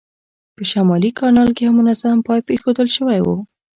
په شمالي کانال کې یو منظم پایپ اېښودل شوی و.